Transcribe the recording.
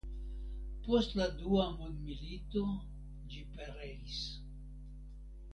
Post la Dua mondmilito ĝi pereis.